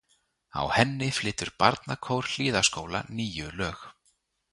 Á henni flytur Barnakór Hlíðaskóla níu lög.